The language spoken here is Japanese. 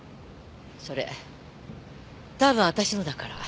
それ多分私のだから。